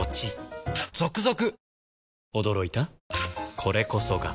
これこそが